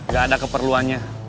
gak ada keperluannya